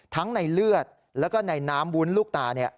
ทั้งในเลือดแล้วก็ในน้ำวุ้นลูกตาเนี่ย